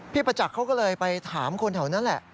ประจักษ์เขาก็เลยไปถามคนแถวนั้นแหละ